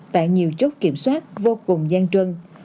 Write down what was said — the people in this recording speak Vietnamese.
tại nhiều chốt kiểm soát vô cùng gian truân